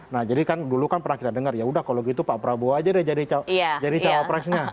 nah jadi kan dulu kan pernah kita dengar yaudah kalau gitu pak prabowo aja deh jadi cawapresnya